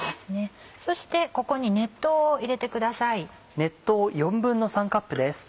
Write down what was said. そしてここに熱湯を入れてください。